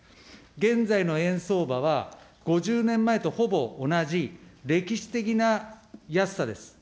現在の円相場は、５０年前とほぼ同じ歴史的な安さです。